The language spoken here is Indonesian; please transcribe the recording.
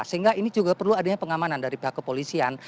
sehingga ini juga perlu adanya pengamanan dari pihak kepolisian